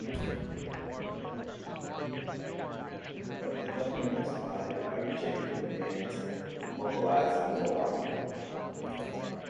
But the government responded by rejecting the demands and mobilizing the Army.